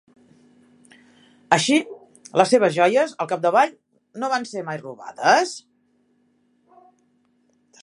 Així, les seves joies, al capdavall, no van ser mai robades?